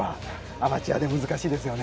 アマチュアでは難しいですよね。